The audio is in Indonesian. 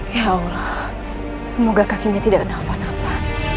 ya allah semoga kakinya tidak ada apa apa